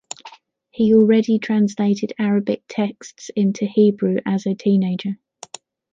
He already translated Arabic texts into Hebrew as a teenager.